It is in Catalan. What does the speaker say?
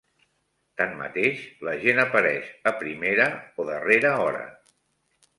Tanmateix, la gent apareix a primera o darrera hora.